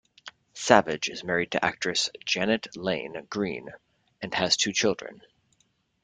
Savage is married to actress Janet-Laine Green, and has two children.